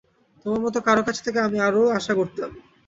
তোমার মতো কারও কাছ থেকে আমি আরও আশা করতাম।